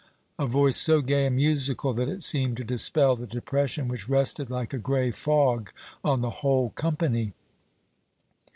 a voice so gay and musical that it seemed to dispel the depression which rested like a grey fog on the whole company.